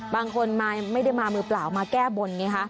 บางคนไม่ได้มามือเปล่ามาแก้บนไงคะ